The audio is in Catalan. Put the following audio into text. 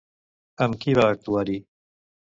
Amb qui va actuar-hi?